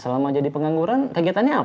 selama jadi pengangguran kegiatannya apa